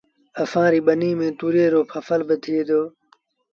اسآݩ ريٚ ٻنيٚ ميݩ تُوريئي رو با ڦسل ٿئي دو